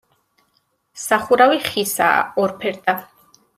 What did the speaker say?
სახურავი ხისაა, ორფერდა.